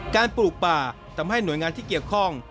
ปลูกป่าทำให้หน่วยงานที่เกี่ยวข้อง